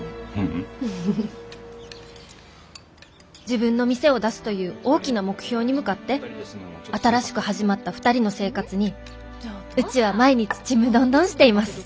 「自分の店を出すという大きな目標に向かって新しく始まった２人の生活にうちは毎日ちむどんどんしています」。